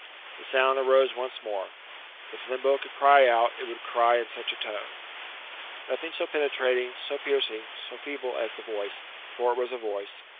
The sound arose once more. If limbo could cry out, it would cry in such a tone. Nothing so penetrating, so piercing, so feeble as the voice for it was a voice.